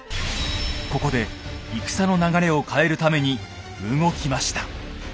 ここで戦の流れを変えるために動きました。